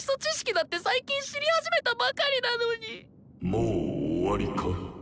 もう終わりか？